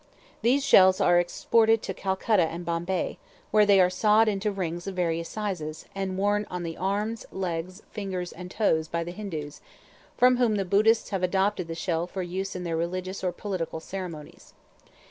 These shells are exported to Calcutta and Bombay, where they are sawed into rings of various sizes, and worn on the arms, legs, fingers, and toes by the Hindoos, from whom the Buddhists have adopted the shell for use in their religious or political ceremonies.